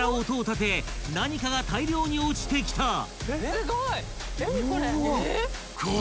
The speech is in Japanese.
音を立て何かが大量に落ちてきた］